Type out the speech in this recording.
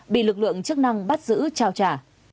bị lực lượng chức năng bắt giữ trao trả